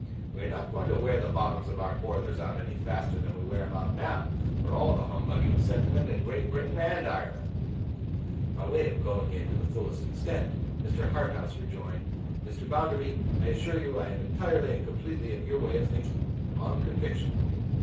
We are not going to wear the bottoms of our boilers out any faster than we wear 'em out now, for all the humbugging sentiment in Great Britain and Ireland.' By way of 'going in' to the fullest extent, Mr. Harthouse rejoined, 'Mr. Bounderby, I assure you I am entirely and completely of your way of thinking. On conviction.